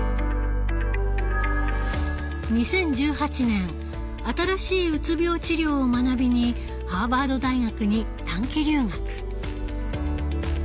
２０１８年新しいうつ病治療を学びにハーバード大学に短期留学。